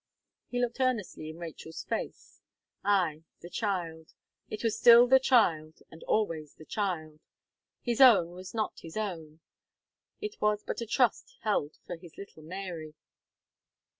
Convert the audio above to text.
He looked earnestly in Rachel's face. Ay, the child; it was still the child, and always the child. His own was not his own it was but a trust held for his little Mary.